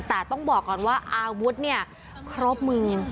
แต่ต้องบอกก่อนว่าอาวุธเนี่ยครบมือ